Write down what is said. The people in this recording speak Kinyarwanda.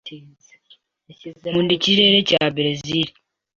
Nkunda ikirere cya Berezile.